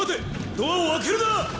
ドアを開けるな！